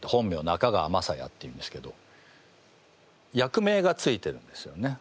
中川雅也っていうんですけど役名がついてるんですよね。